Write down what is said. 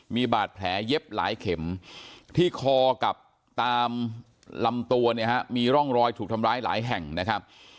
มีบาดแผลเย็บหลายเข็มที่คอกับตามลำตัวเนี่ยฮะมีร่องรอยถูกทำร้ายหลายแห่งนะครับ